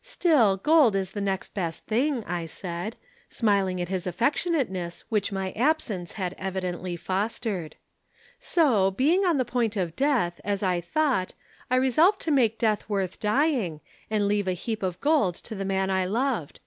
"'Still, gold is the next best thing,' I said, smiling at his affectionateness which my absence had evidently fostered. 'So being on the point of death, as I thought, I resolved to make death worth dying, and leave a heap of gold to the man I loved.